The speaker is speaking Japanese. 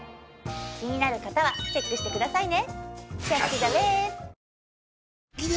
気になる方はチェックしてくださいね。